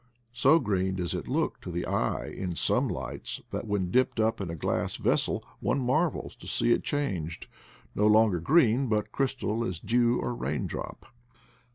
So green does it look to the eye in some lights that when dipped up in a glass vessel one marvels to see it changed, no longer green, bnt crystal as dew or rain drop.